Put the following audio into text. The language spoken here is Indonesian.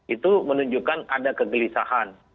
itu menunjukkan ada kegelisahan